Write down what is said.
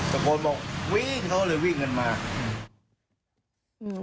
ตะโกนบอกวิ่งเขาเลยวิ่งกันมาอืม